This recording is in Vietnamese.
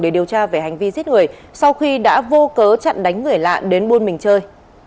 để điều tra về hành vi giết người sau khi đã vô cớ chặn đánh người lạ đến buôn mình chơi